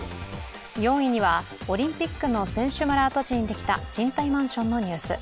４位には、オリンピックの選手村跡地にできた賃貸マンションのニュース。